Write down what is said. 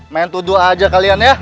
main tuduh aja kalian ya